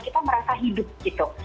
kita merasa hidup gitu